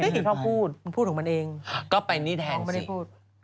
ก็อยากพูดน้องพูดถึงมันเองก็ไปนี่แทนสิ